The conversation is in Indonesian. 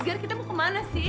edgar kita mau ke mana sih